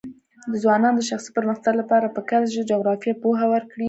د ځوانانو د شخصي پرمختګ لپاره پکار ده چې جغرافیه پوهه ورکړي.